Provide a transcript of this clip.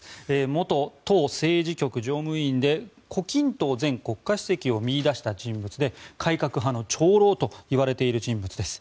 元党政治局常務委員で胡錦涛前国家主席を見いだした人物で改革派の長老といわれている人物です。